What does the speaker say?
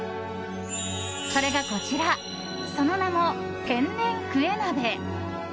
それがこちらその名も、天然クエ鍋！